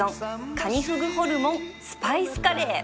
カニフグホルモンスパイスカレー